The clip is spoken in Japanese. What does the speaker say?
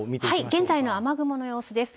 現在の雨雲の様子です。